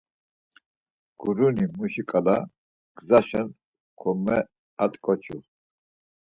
Guruni muşi ǩala gzaşen komeat̆ǩoçu.